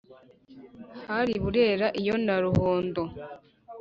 hari burera iyo na ruhondo